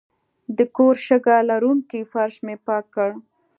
د کور شګه لرونکی فرش مې پاک کړ.